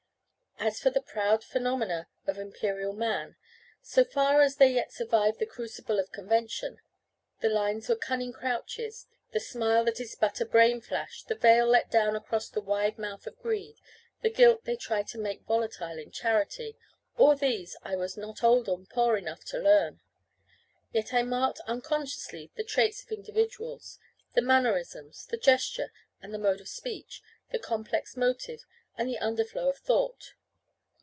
As for the proud phenomena of imperial man, so far as they yet survive the crucible of convention the lines where cunning crouches, the smile that is but a brain flash, the veil let down across the wide mouth of greed, the guilt they try to make volatile in charity, all these I was not old and poor enough to learn. Yet I marked unconsciously the traits of individuals, the mannerism, the gesture, and the mode of speech, the complex motive, and the underflow of thought.